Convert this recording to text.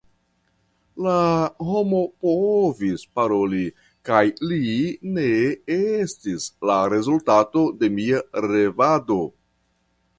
La homo povis paroli, kaj li ne estis la rezultato de mia revado.